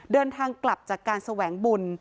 เดินทางกลับจากการแสวงบุญ